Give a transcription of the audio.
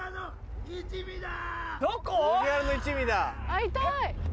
会いたい！